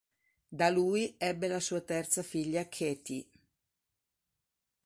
Da lui ebbe la sua terza figlia, Katie.